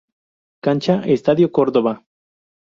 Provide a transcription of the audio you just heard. Cancha: Estadio Córdoba.